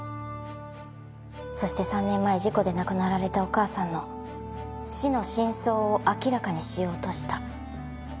そして３年前事故で亡くなられたお母さんの死の真相を明らかにしようとした。